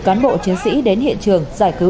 cán bộ chiến sĩ đến hiện trường giải cứu